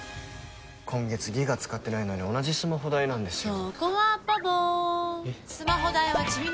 今月、ギガ使ってないのに同じスマホ代なんですよ。